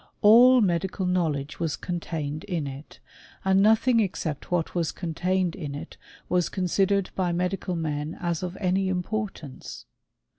All medical knowledge was contained in it ; and nothing except what was contained in it was consi dered by medical men as of any importance.